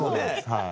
はい。